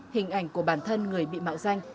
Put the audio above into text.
hình ảnh của bản thân người bị mạo danh